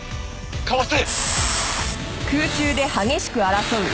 かわせ！